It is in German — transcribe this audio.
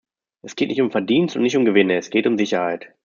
Es geht nicht um Verdienst und nicht um Gewinne, es geht um Sicherheit.